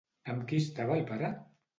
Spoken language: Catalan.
Amb qui estava el pare?